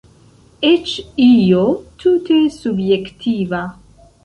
Eĉ io tute subjektiva.